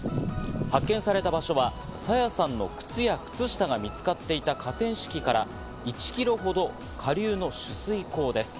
発見された場所は朝芽さんの靴や靴下が見つかっていた河川敷から１キロほど下流の取水口です。